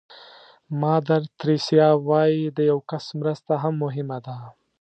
مادر تریسیا وایي د یو کس مرسته هم مهمه ده.